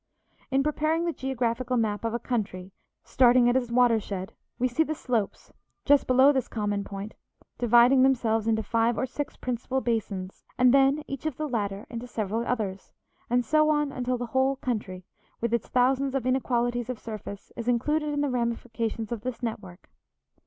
In preparing the geographical map of a country, starting at its watershed, we see the slopes, just below this common point, dividing themselves into five or six principal basins, and then each of the latter into several others, and so on until the whole country, with its thousands of inequalities of surface, is included in the ramifications of this network.